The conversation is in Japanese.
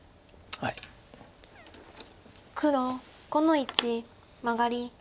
黒５の一マガリ。